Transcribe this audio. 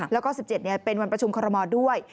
แล้วก็๑๗เป็นวันประชุมคอรมอลด้วย